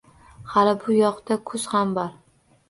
Hali bu yoqda kuz ham bor